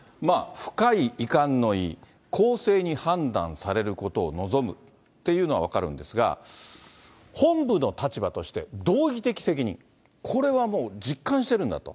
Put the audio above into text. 深い遺憾の意、公正に判断されることを望むっていうのは分かるんですが、本部の立場として道義的責任、これはもう実感してるんだと。